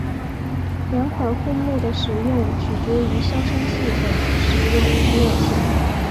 两款护木的使用取决于消声器的使用必要性。